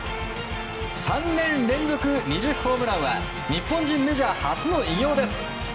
３年連続２０ホームランは日本人メジャー初の偉業です。